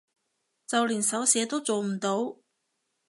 就連手寫都做唔到